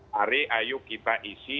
mari ayo kita isi negara demokrasi ini dengan